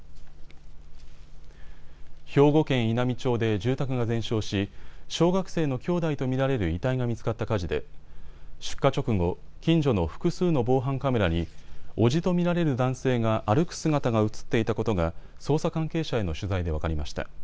兵庫県稲美町で住宅が全焼し小学生の兄弟と見られる遺体が見つかった火事で出火直後、近所の複数の防犯カメラに伯父と見られる男性が歩く姿が写っていたことが捜査関係者への取材で分かりました。